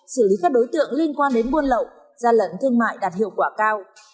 xử lý các đối tượng liên quan đến buôn lậu gian lận thương mại đạt hiệu quả cao